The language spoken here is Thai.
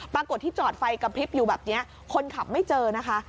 ปรากฏที่จอดไฟกระพริบอยู่แบบนี้คนขับไม่เจอนะคะ